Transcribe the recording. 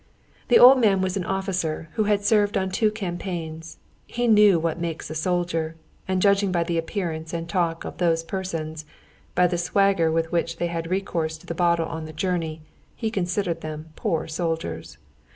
The old man was an officer who had served on two campaigns. He knew what makes a soldier, and judging by the appearance and the talk of those persons, by the swagger with which they had recourse to the bottle on the journey, he considered them poor soldiers.